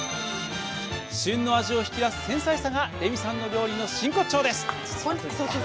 旬の味を引き出す繊細さがレミさんの料理の真骨頂です。